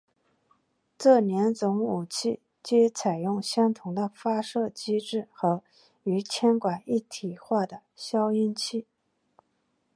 这两种武器皆采用相同的发射机制和与枪管一体化的消音器。